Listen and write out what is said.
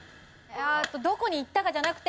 どこに行ったかじゃなくて。